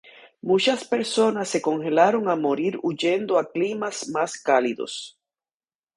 Muchas personas se congelaron a morir huyendo a climas más cálidos.